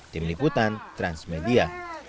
tim liputan transmedia